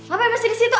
apa emasnya di situ